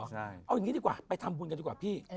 เอาอย่างนี้ดีกว่าไปทำบุญกันดีกว่าพี่